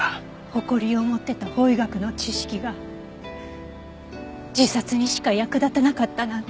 誇りを持っていた法医学の知識が自殺にしか役立たなかったなんて。